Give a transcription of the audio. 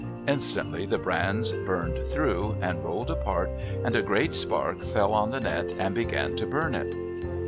Instantly the brands burned through and rolled apart and a great spark fell on the net and began to burn it.